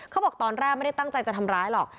เขาบอกตอนแรกไม่ได้ตั้งใจจะทำร้ายหรอก